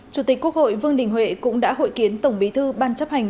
chủ tịch quốc hội vương đình huệ cũng đã hội kiến tổng bí thư ban chấp hành